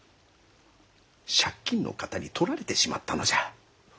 借金の形に取られてしまったのじゃ。